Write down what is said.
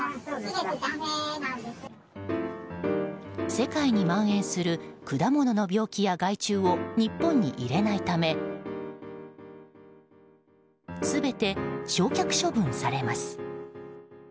世界にまん延する果物の病気や害虫を日本に入れないため全て焼却処分されます。